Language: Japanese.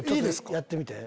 やってみて。